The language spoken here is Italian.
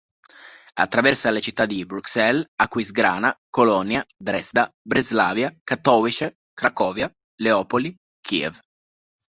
Attraversa le città di Bruxelles, Aquisgrana, Colonia, Dresda, Breslavia, Katowice, Cracovia, Leopoli, Kiev.